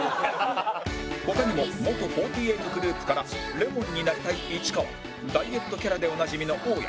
他にも元４８グループからレモンになりたい市川ダイエットキャラでおなじみの大家